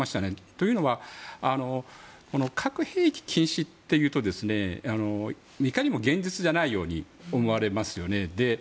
というのは、核兵器禁止というといかにも現実じゃないように思われますよね。